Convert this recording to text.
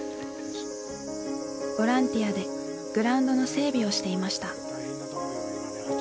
ボランティアでグラウンドの整備をしていました。